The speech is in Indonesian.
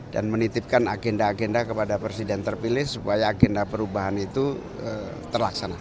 dan menitipkan agenda agenda kepada presiden terpilih supaya agenda perubahan itu terlaksana